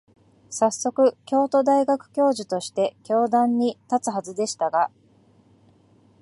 さっそく、京都大学教授として教壇に立つはずでしたが、